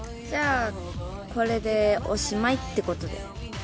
じゃあこれでおしまいってことで。